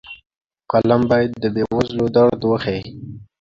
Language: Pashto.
فلم باید د بې وزلو درد وښيي